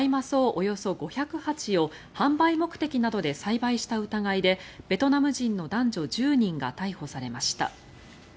およそ５００鉢を販売目的などで栽培した疑いでベトナム人の男女１０人が逮捕されました。